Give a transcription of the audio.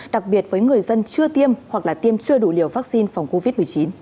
đặc biệt với người dân chưa tiêm hoặc là tiêm chưa đủ liều vaccine phòng covid một mươi chín